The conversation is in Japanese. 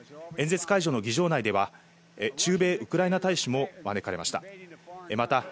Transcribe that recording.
演説会場の議場内では中米、ウクライナ大使も招かれました。